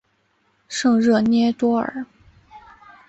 圣热涅多尔。